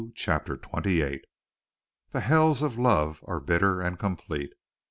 CHAPTER XXVIII The hells of love are bitter and complete.